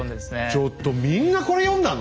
ちょっとみんなこれ読んだの？